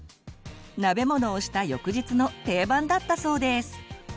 鍋物をした翌日の定番だったそうです。